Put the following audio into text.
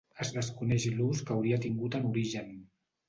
Es desconeix l'ús que hauria tingut en origen.